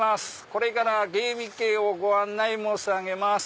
これから猊鼻渓をご案内申し上げます。